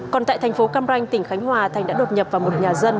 còn tại thành phố cam ranh tỉnh khánh hòa thành đã đột nhập vào một nhà dân